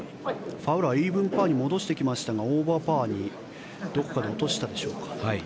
ファウラーイーブンパーに戻してきましたがオーバーパーにどこかで落としたでしょうか。